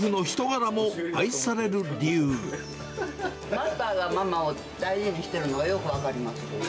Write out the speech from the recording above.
マスターがママを大事にしてるの、よく分かります。